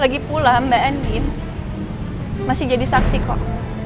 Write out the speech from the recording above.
lagi pula mbak edwin masih jadi saksi kok